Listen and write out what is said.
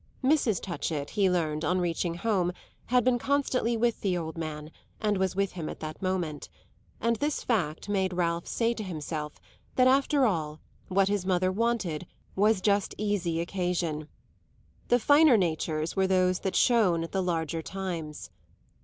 Mrs. Touchett, he learned, on reaching home, had been constantly with the old man and was with him at that moment; and this fact made Ralph say to himself that, after all, what his mother wanted was just easy occasion. The finer natures were those that shone at the larger times.